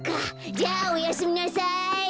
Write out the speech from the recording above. じゃあおやすみなさい。